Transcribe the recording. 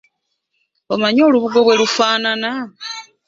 Omanyi olubugo bwe lufaanana?